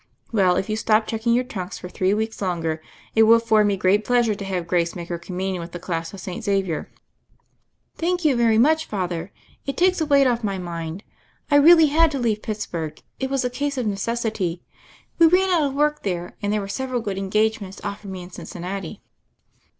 Well, if you stop checking your trunk for three weeks longer it will afford me great pleasure to have Grace make her Communion with the class of St. Xavier." "Thank you so much, Father. It takes a weight off my mind. I really had to leave Pittsburgh ; it was a case of necessity. We ran out of work there, and there were several good engagements offered me in Cincinnati."